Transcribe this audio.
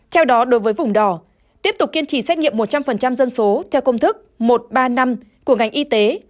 theo đó đối với vùng đỏ tiếp tục kiên trì xét nghiệm một trăm linh dân số theo công thức một trăm ba mươi năm của ngành y tế